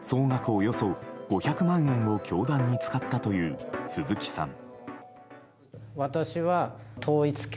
およそ５００万円を教団に使ったという鈴木さん。